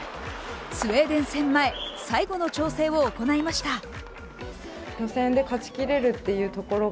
スウェーデン戦前、最後の調整を行いました。